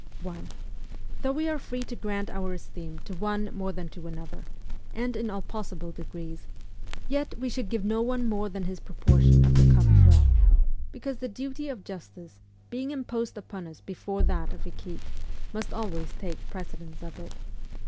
1. Though we are free to grant our esteem to one more than to another, and in all possible degrees, yet we should give no one more than his proportion of the common wealth; because the duty of justice, being imposed upon us before that of equite, must always take precedence of it.